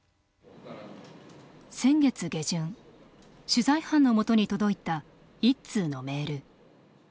先月下旬、取材班のもとに届いた１通のメール。